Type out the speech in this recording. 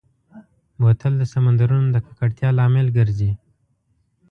بوتل د سمندرونو د ککړتیا لامل ګرځي.